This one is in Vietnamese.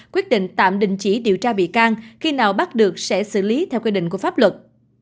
quyết định tạm đình chỉ điều tra bị can khi nào bắt được sẽ xử lý theo quy định của pháp luật